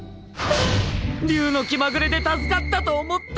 竜の気まぐれで助かったと思ったら。